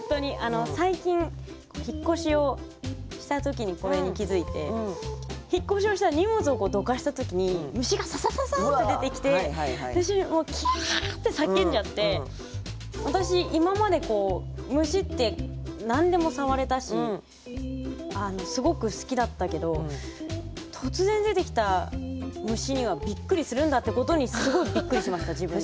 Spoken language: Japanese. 最近引っ越しをした時にこれに気付いて引っ越しをしたら荷物をどかした時に虫がササササッて出てきて私もう「キャーッ！」って叫んじゃって私今まで虫って何でも触れたしすごく好きだったけど突然出てきた虫にはびっくりするんだってことにすごいびっくりしました自分で。